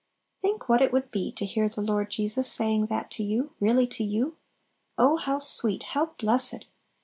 Think what it would be to hear the Lord Jesus saying that to you, really to you! Oh how sweet! how blessed!